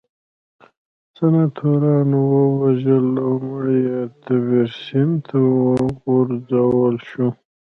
سناتورانو ووژل او مړی یې تیبر سیند ته وغورځول شو